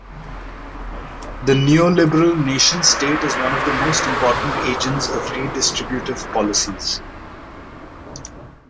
The neoliberal nation-state is one of the most important agents of redistributive policies.